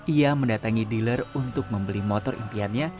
ia mendatangi dealer untuk membeli motor impiannya